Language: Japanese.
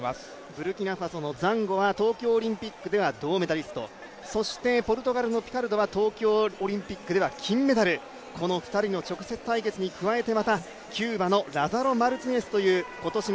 ブルキナファソのザンゴは東京オリンピックでは銅メダリスト、そして、ポルトガルのピカルドは東京オリンピックでは金メダル、この２人の直接対決に加えて、キューバのラザロ・マルティネスという選手。